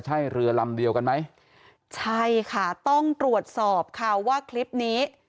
ใช่เรือลำเดียวกันไหมใช่ค่ะต้องตรวจสอบค่ะว่าคลิปนี้